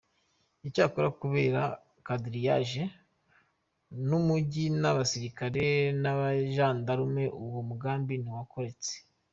Cyakora kubera quadrillage y’umujyi n’abasirikari n’abagendarmes uwo mugambi ntiwakoretse.